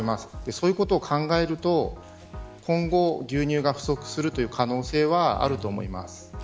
そういうことを考えると今後、牛乳が不足する可能性はあると思います。